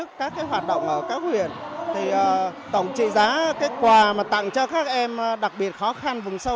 tổ chức các hoạt động ở các huyện tổng trị giá quà tặng cho các em đặc biệt khó khăn vùng sâu